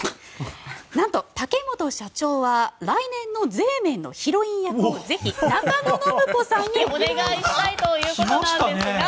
なんと、竹本社長は来年の「税メン」のヒロイン役をぜひ中野信子さんにお願いしたいということですが。